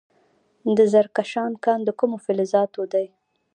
د زرکشان کان د کومو فلزاتو دی؟